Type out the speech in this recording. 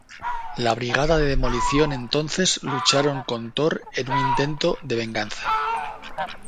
La Brigada de Demolición entonces lucharon con Thor en un intento de venganza.